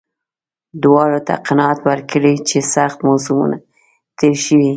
دواړو ته قناعت ورکړي چې سخت موسمونه تېر شوي.